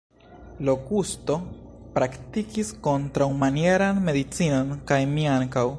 Lokusto praktikis kontraŭmanieran medicinon, kaj mi ankaŭ.